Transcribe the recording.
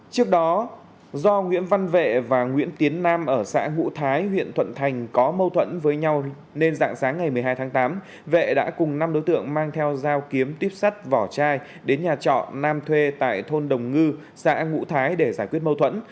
trước đó do nguyễn văn vệ và nguyễn tiến nam ở xã ngũ thái huyện thuận thành có mâu thuẫn với nhau nên dạng sáng ngày một mươi hai tháng tám vệ đã cùng năm đối tượng mang theo dao kiếm tuyếp sắt vỏ chai đến nhà trọ nam thuê tại thôn đồng ngư xã ngũ thái để giải quyết mâu thuẫn